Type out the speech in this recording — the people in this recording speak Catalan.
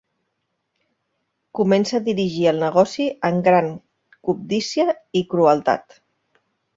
Comença a dirigir el negoci amb gran cobdícia i crueltat.